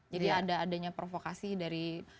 jadi adanya provokasi dari negara negara lain